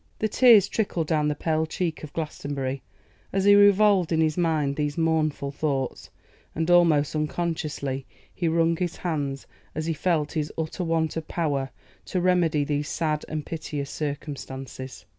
The tears trickled down the pale cheek of Glastonbury as he revolved in his mind these mournful thoughts; and almost unconsciously he wrung his hands as he felt his utter want of power to remedy these sad and piteous circumstances.